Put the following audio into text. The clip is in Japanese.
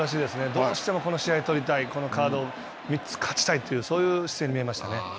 どうしてもこの試合を取りたいこのカードを３つ勝ちたいというそういう姿勢が見えましたね。